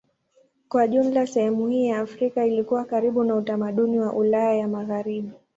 Kwa jumla sehemu hii ya Afrika ilikuwa karibu na utamaduni wa Ulaya ya Magharibi.